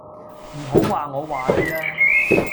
唔好話我話你吖